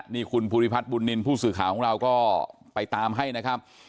นี่คุณภูริพัฒน์บุญนินทร์ผู้สื่อข่าวของเราก็ไปตามให้นะครับ